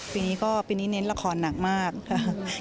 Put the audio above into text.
ปีนี้เน้นละครหนักมากค่ะ